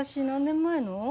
何年前の？